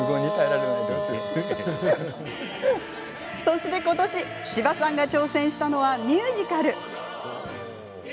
そして、ことし千葉さんが挑戦したのは、ミュージカル。